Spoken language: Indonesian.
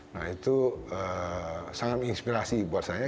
nah itu sangat menginspirasi buat saya